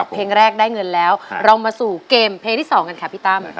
เพลงแรกได้เงินแล้วเรามาสู่เกมเพลงที่๒กันค่ะพี่ตั้ม